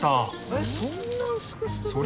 えっそんな薄くする？